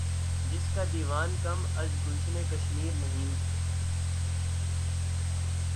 جس کا دیوان کم از گلشنِ کشمیر نہیں